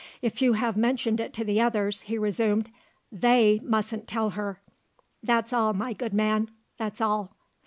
"If you have mentioned it to the others," he resumed, "they mustn't tell her. That's all, my good man; that's all."